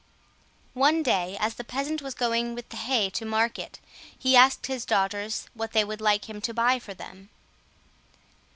One day, as the peasant was going with the hay to market, he asked his daughters what they would like him to buy for them.